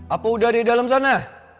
apa udah ada di dalam sana